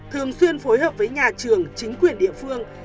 thường xuyên phối hợp với nhà trường chính quyền địa phương